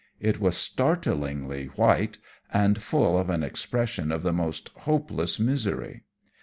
It was startlingly white and full of an expression of the most hopeless misery.